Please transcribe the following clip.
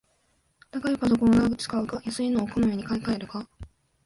高いパソコンを長く使うか、安いのをこまめに買いかえるか